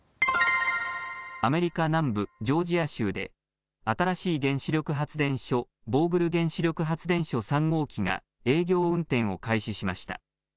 アメリカ南部ジョージア州で新しい原子力発電所、ボーグル原子力発電所３号機が営業運転を開始しました。